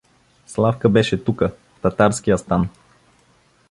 Славка беше тука, в татарския стан.